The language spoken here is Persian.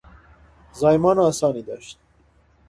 زایمان آسانی داشت.